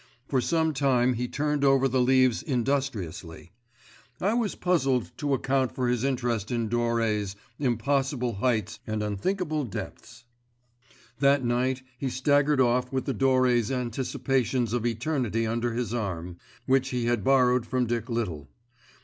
For some time he turned over the leaves industriously. I was puzzled to account for his interest in Doré's impossible heights and unthinkable depths. That night he staggered off with the Doré's anticipations of eternity under his arm, which he had borrowed from Dick Little.